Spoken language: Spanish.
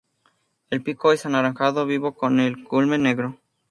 El pico es anaranjado vivo con el culmen negro.